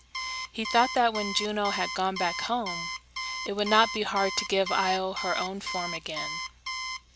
He thought that when Juno had gone back home, it would not be hard to give Io her own form again.